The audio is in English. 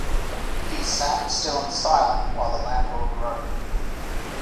He sat, still and silent, while the landlord wrote.